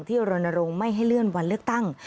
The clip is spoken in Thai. รณรงค์ไม่ให้เลื่อนวันเลือกตั้ง